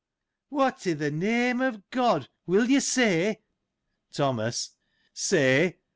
What i' th' name of God ! will you say ? Thomas. — Say